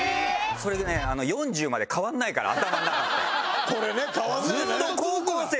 それでね４０まで変わらないから頭の中って。